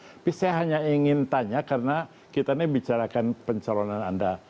tapi saya hanya ingin tanya karena kita ini bicarakan pencalonan anda